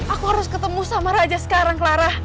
aku harus ketemu sama raja sekarang clara